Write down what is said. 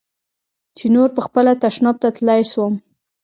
چې نور پخپله تشناب ته تلاى سوم.